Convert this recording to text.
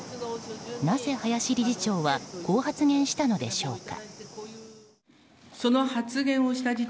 なぜ林理事長はこう発言したのでしょうか。